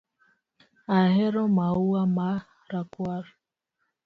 Ahero maua ma rakwar